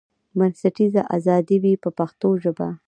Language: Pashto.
بنسټیزه ازادي وي په پښتو ژبه.